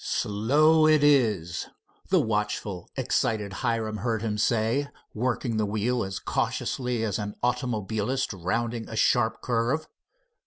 "Slow it is," the watchful, excited Hiram heard him say, working the wheel as cautiously as an automobilist rounding a sharp curve.